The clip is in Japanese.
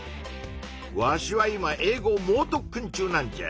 わしは今英語もう特訓中なんじゃ。